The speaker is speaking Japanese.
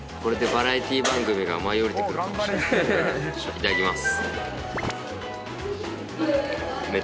いただきます。